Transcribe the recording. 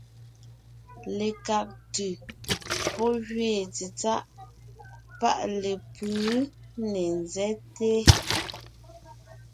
Lekág ntʉ̀ pɔ́ gẅeen tsetsáʼ paʼ lepʉ̌ ne nzɛ́te,